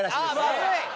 まずい！